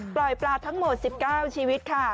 ปล่อยปลาทั้งหมด๑๙ชีวิตค่ะ